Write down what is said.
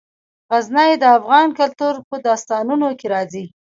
غزني د افغان کلتور په داستانونو کې راځي.